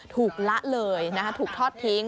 ละเลยถูกทอดทิ้ง